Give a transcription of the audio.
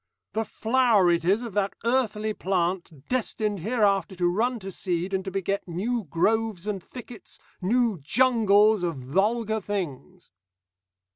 The flower it is of that earthly plant, destined hereafter to run to seed, and to beget new groves and thickets, new jungles, of vulgar things.